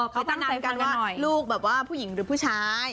เขาตั้งนานกันว่าลูกแบบว่าผู้หญิงหรือผู้ชาย